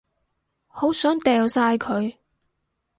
好想掉晒佢